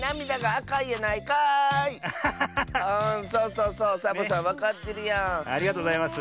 ありがとうございます。